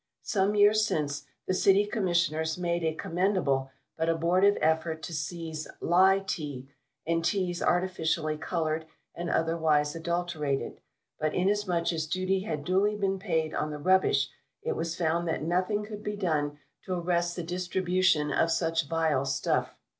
Some years since, the City Commissioners made a commendable but abortive effort to seize "Lie Tea" and Teas artificially coloured and otherwise adulterated; but inasmuch as duty had duly been paid on the rubbish, it was found that nothing could be done to arrest the distribution of such vile stuff.